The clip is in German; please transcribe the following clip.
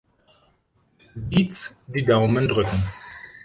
Deeds die Daumen drücken.